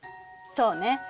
そうね。